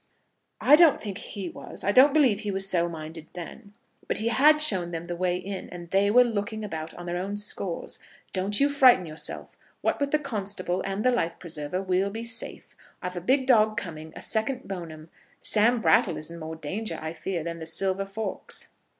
"I don't think he was. I don't believe he was so minded then. But he had shown them the way in, and they were looking about on their own scores. Don't you frighten yourself. What with the constable and the life preserver, we'll be safe. I've a big dog coming, a second Bone'm. Sam Brattle is in more danger, I fear, than the silver forks."